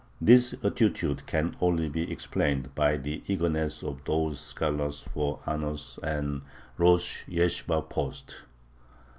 This attitude can only be explained by the eagerness of these scholars for honors and rosh yeshibah posts.